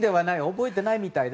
覚えてないみたいで。